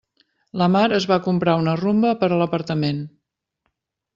La Mar es va comprar una Rumba per a l'apartament.